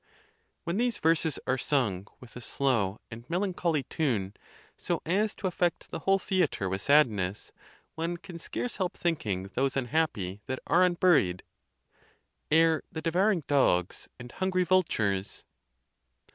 When these verses are 'sung with a slow and melancholy tune, so as to affect the whole theatre with sadness, one can scarce help thinking those unhappy that are unburied: Ere the devouring dogs and hungry vultures......